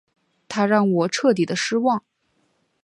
他让我彻底的失望